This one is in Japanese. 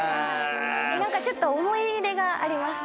何かちょっと思い入れがあります